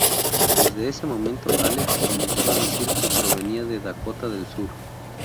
Desde ese momento Alex comenzó a decir que provenía de Dakota del Sur.